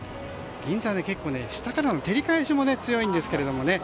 銀座は結構下からの照り返しも強いんですけどね。